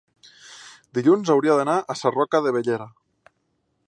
dilluns hauria d'anar a Sarroca de Bellera.